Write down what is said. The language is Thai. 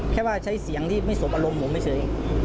แค่ว่าใช้เสียงที่ไม่สบอารมณ์ผมเฉย